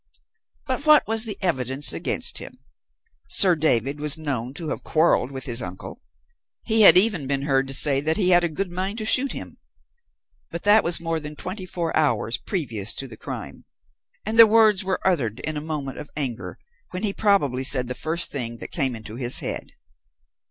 "But what was the evidence against him? Sir David was known to have quarrelled with his uncle; he had even been heard to say he had a good mind to shoot him. But that was more than twenty four hours previous to the crime, and the words were uttered in a moment of anger, when he probably said the first thing that came into his head.